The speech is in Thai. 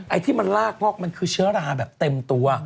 ไอ้ที่มันลากงอกมันคือเชื้อราแบบเต็มตัว